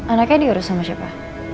anaknya diurus sama siapa